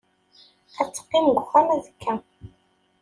Ad teqqim deg uxxam azekka.